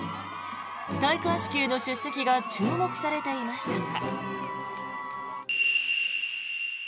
戴冠式への出席が注目されていましたが。